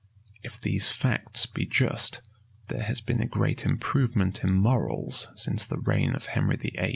If these facts be just, there has been a great improvement in morals since the reign of Henry VIII.